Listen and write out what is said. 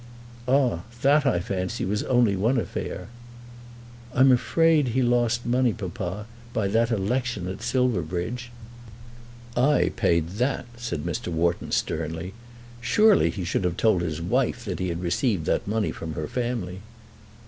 "Ah; that, I fancy, was only one affair." "I'm afraid he lost money, papa, by that election at Silverbridge." "I paid that," said Mr. Wharton sternly. Surely he should have told his wife that he had received that money from her family!